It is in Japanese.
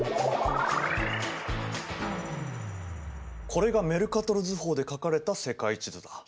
これがメルカトル図法で描かれた世界地図だ。